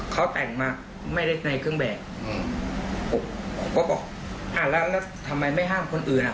เขาแต่งมาไม่ได้ในเครื่องแบบอืมผมก็บอกอ่าแล้วแล้วทำไมไม่ห้ามคนอื่นอ่ะ